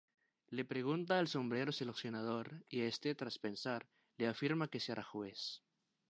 Le pregunta al sombrero seleccionador, y este, tras pensar, le afirma que será juez.